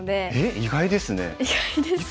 意外ですか？